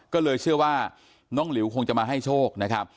ก็เลยเชื่อว่าน้องหลิวคงจะมาให้โชคนะครับ